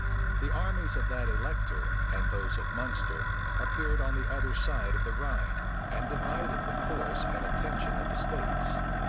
The armies of that elector, and those of Munster, appeared on the other side of the Rhine, and divided the force and attention of the states.